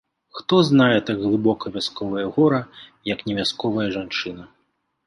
Хто знае так глыбока вясковае гора, як не вясковая жанчына?!